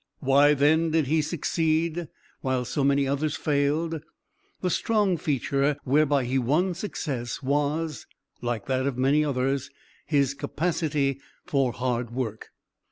Why, then, did he succeed, while so many others failed? The strong feature whereby he won success was, like that of many others, his capacity for HARD WORK.